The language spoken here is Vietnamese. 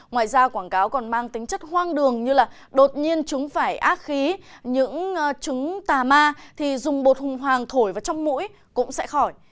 ngoài ra quảng cáo còn mang tính chất hoang đường như là đột nhiên chúng phải ác khí những trứng tà ma thì dùng bột hùng hoàng thổi vào trong mũi cũng sẽ khỏi